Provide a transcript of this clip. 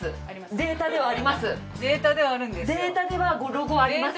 データではロゴあります。